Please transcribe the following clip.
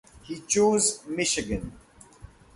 He chose Michigan.